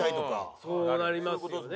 そうなりますよね。